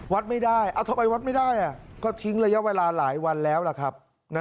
วัดไม่ได้ทำไมวัดไม่ได้ก็ทิ้งระยะเวลาหลายวันแล้วล่ะครับ